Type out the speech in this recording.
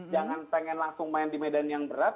jangan pengen langsung main di medan yang berat